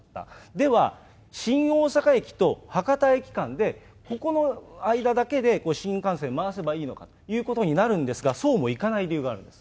では、新大阪駅と博多駅間で、ここの間だけで新幹線、回せばいいのかということになるんですが、そうもいかない理由があるんです。